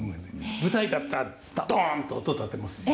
舞台だったら「ドン」と音立てますよね。